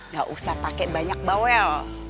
gak usah pakai banyak bawel